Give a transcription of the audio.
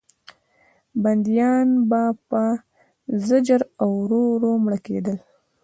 بندیان به په زجر او ورو ورو مړه کېدل.